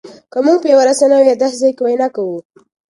که مونږ په یوه رسنۍ او یا داسې ځای کې وینا کوو